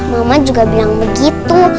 mama juga bilang begitu